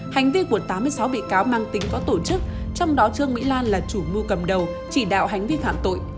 hành vi của tám mươi sáu bị cáo mang tính có tổ chức trong đó trương mỹ lan là chủ mưu cầm đầu chỉ đạo hành vi phạm tội